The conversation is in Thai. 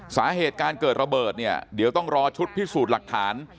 สาเหตุการเกิดระเบิดเนี่ยเดี๋ยวต้องรอชุดพิสูจน์หลักฐาน